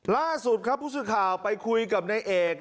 ล่าสุดครับผู้สื่อข่าวไปคุยกับนายเอก